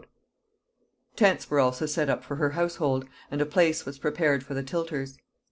Tents were also set up for her household, and a place was prepared for the tilters.